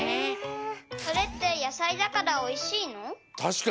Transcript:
それってやさいだからたしかに。